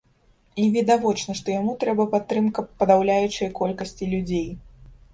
І відавочна, што яму трэба падтрымка падаўляючай колькасці людзей.